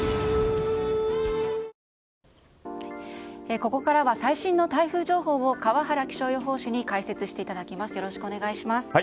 ここからは最新の台風情報を川原気象予報士に解説していただきます。